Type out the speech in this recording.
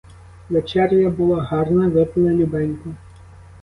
Вечеря була гарна: випили любенько!